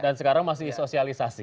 dan sekarang masih sosialisasi